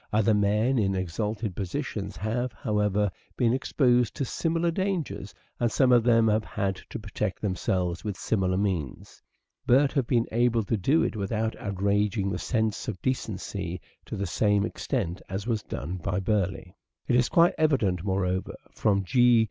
Other men in exalted positions have, however, been exposed to similar dangers and some of them have had to protect them selves by similar means, but have been able to do it without outraging the sense of decency to the same extent as was done by Burleigh. It is quite evident, moreover, from G.